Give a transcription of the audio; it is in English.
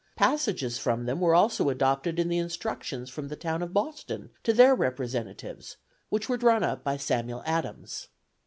Passages from them were also adopted in the instructions from the town of Boston to their representatives, which were drawn up by Samuel Adams."